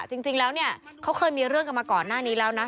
จริงแล้วเนี่ยเขาเคยมีเรื่องกันมาก่อนหน้านี้แล้วนะ